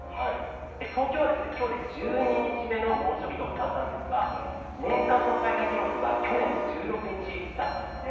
東京は今日で１２日目の猛暑日となったんですが年間の最多記録が去年の１６日だったんですね。